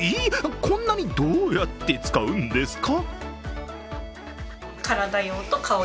こんなにどうやって使うんですか？